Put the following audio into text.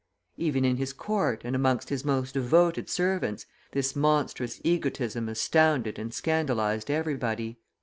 Even in his court, and amongst his most devoted servants, this monstrous egotism astounded and scandalized everybody.